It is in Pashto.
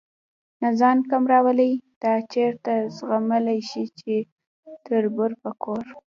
نه ځان کم راولي، دا چېرته زغملی شي چې د تربور په کور.